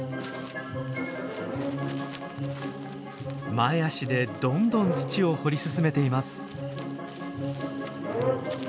前足でどんどん土を掘り進めています。